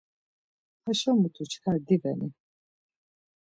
Haşo mutu çkar diveni?